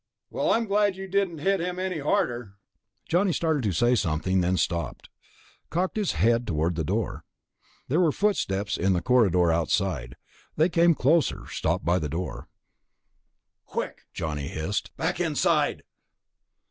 "Well, I'm glad you didn't hit him any harder...." Johnny started to say something, then stopped, cocked his head toward the door. There were footsteps in the corridor outside; they came closer, stopped by the door. "Quick," Johnny hissed, "back inside!"